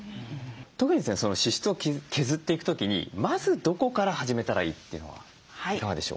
特に支出を削っていく時にまずどこから始めたらいいっていうのはいかがでしょうか？